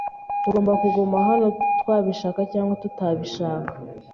Tugomba kuguma hano twabishaka cyangwa tutabishaka.